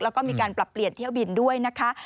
แล้วก็มีการปรับเปลี่ยนเที่ยวบินด้วยนะคะ